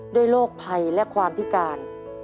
โรคภัยและความพิการ